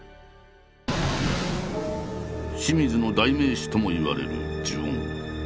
清水の代名詞ともいわれる「呪怨」。